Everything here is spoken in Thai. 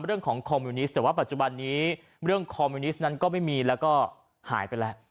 คอมมิวนิสต์แต่ว่าปัจจุบันนี้เรื่องคอมมิวนิสต์นั้นก็ไม่มีแล้วก็หายไปแล้ว